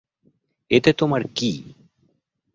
এতে তোমার কী?